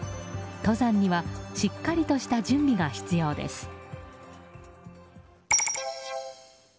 登山にはしっかりとした準備が必要です。